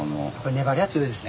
粘りが強いですね。